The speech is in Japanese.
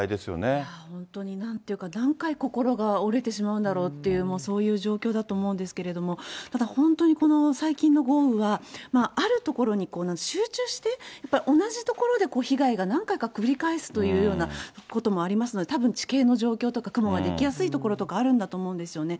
いや、本当になんていうか、何回心が折れてしまうんだろうという、そういう状況だと思うんですけれども、ただ本当にこの最近の豪雨は、ある所に集中して、同じ所で被害が何回か繰り返すというようなこともありますので、たぶん地形の状況とか、雲が出来やすい所とかあるんだと思うんですよね。